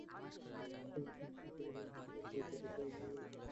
তবে অভ্যুত্থানচেষ্টার পরিপ্রেক্ষিতে এবার বৈঠকের সময় কয়েক দিন এগিয়ে নিয়ে আসা হয়েছে।